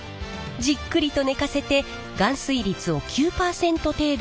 じっくりと寝かせて含水率を９％程度に戻します。